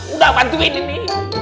udah bantuin ini